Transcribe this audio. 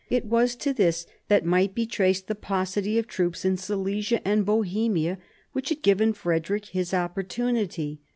It was to this that might be traced the paucity of troops in Silesia and Bohemia which had given Frederick his opportunity.